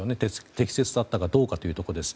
適切だったかどうかというところです。